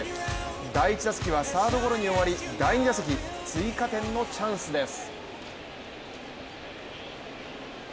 第１打席はサードゴロに終わり第２打席、追加点のチャンスです。